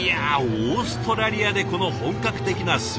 オーストラリアでこの本格的な炭火焼。